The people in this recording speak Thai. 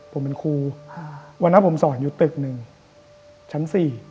ผมเป็นครูวันนั้นผมสอนอยู่ตึกหนึ่งชั้น๔